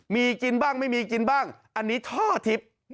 มีกินบ้างไม่มีกินบ้างอันนี้ท่อทิพย์